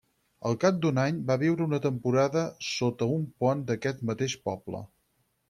Al cap d'un any va viure una temporada sota un pont d'aquest mateix poble.